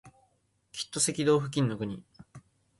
きっと赤道付近の国